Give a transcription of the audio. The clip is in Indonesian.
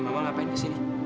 mama ngapain kesini